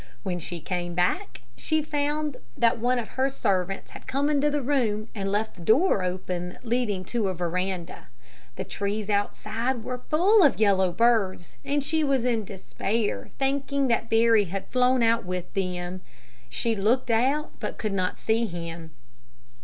When she came back, she found that one of the servants had come into the room and left the door open leading to a veranda. The trees outside were full of yellow birds, and she was in despair, thinking that Barry had flown out with them. She looked out, but could not see him.